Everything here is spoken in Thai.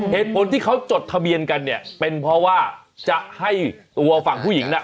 เหตุผลที่เขาจดทะเบียนกันเนี่ยเป็นเพราะว่าจะให้ตัวฝั่งผู้หญิงน่ะ